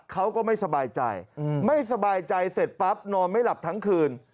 เขาก็ไม่สบายใจไม่สบายใจเสร็จปั๊บนอนไม่หลับทั้งคืน